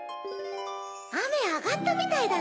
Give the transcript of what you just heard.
あめあがったみたいだね。